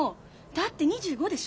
だって２５でしょ？